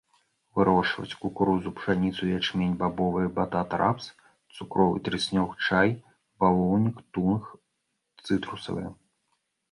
Вырошчваюць кукурузу, пшаніцу, ячмень, бабовыя, батат, рапс, цукровы трыснёг, чай, бавоўнік, тунг, цытрусавыя.